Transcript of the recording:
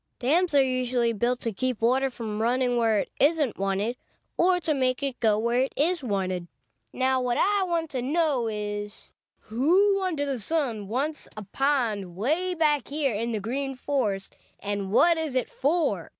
"Dams are usually built to keep water from running where it isn't wanted or to make it go where it is wanted. Now, what I want to know is, who under the sun wants a pond way back here in the Green Forest, and what is it for?